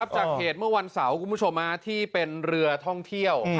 จากเหตุเมื่อวันเสาร์คุณผู้ชมที่เป็นเรือท่องเที่ยว